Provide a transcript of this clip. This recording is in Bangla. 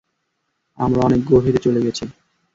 আমরা অনেক গভীরে চলে গেছি।